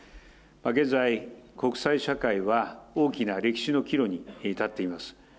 現在、国際社会は大きな歴史の岐路に立っています。